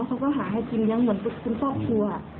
เขาก็หาให้จริงอย่างเหมือนทุกคุณพ่อครัว